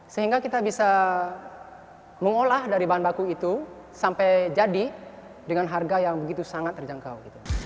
sehingga kita bisa mengolah dari bahan baku itu sampai jadi dengan harga yang begitu sangat terjangkau